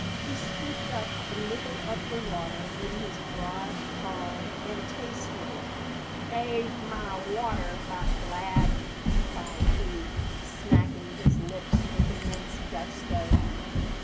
He scooped up a little of the water in his broad palm and tasted it, "Stave my water butt, lad!" cried he, smacking his lips with immense gusto.